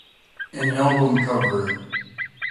An album cover.